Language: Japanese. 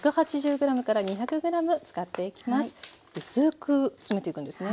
薄く詰めていくんですね。